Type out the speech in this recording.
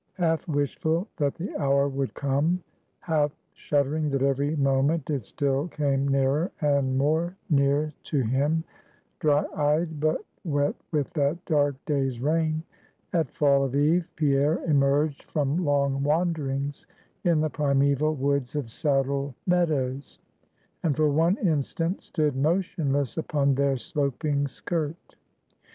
Half wishful that the hour would come; half shuddering that every moment it still came nearer and more near to him; dry eyed, but wet with that dark day's rain; at fall of eve, Pierre emerged from long wanderings in the primeval woods of Saddle Meadows, and for one instant stood motionless upon their sloping skirt.